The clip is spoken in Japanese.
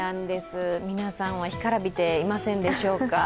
皆さんは干からびていませんでしょうか。